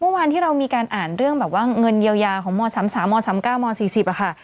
เมื่อวานที่เรามีการอ่านเรื่องแบบว่าเงินเยียวยาของม๓๓ม๓๙ม๔๐ค่ะ